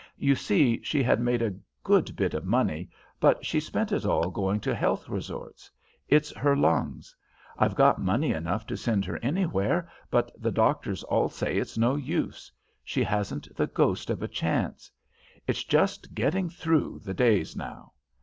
You see she had made a good bit of money, but she spent it all going to health resorts. It's her lungs. I've got money enough to send her anywhere, but the doctors all say it's no use. She hasn't the ghost of a chance. It's just getting through the days now.